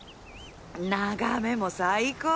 眺めも最高！